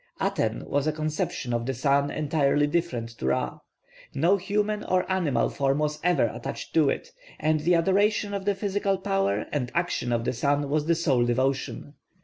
+Aten+ was a conception of the sun entirely different to Ra. No human or animal form was ever attached to it; and the adoration of the physical power and action of the sun was the sole devotion.